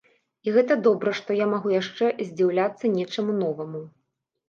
І гэта добра, што я магу яшчэ здзіўляцца нечаму новаму.